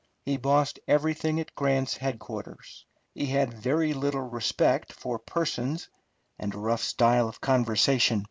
He bossed everything at Grant's headquarters. He had very little respect for persons, and a rough style of conversation.